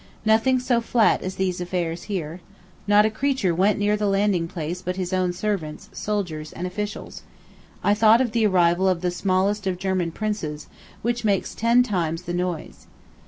Nothing so flat as these affairs here. Not a creature went near the landing place but his own servants, soldiers, and officials. I thought of the arrival of the smallest of German princes, which makes ten times the noise.